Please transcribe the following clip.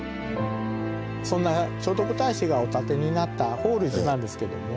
そんな聖徳太子がお建てになった法隆寺なんですけども。